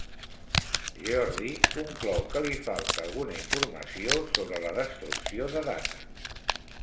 Geordi conclou que li faltar alguna informació sobre la destrucció de Data.